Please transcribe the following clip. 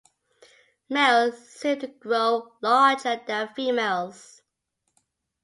Males seem to grow larger than females.